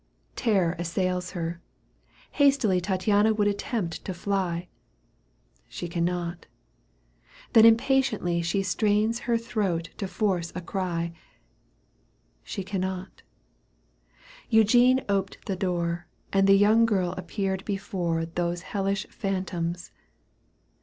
Terror assails her. Hastily i Tattiema would attempt to fly, — She cannot — then impatiently She strains her throat to force a cry — She cannot — ^Eugene oped the door And the young girl appeared before Those hellish phantoms.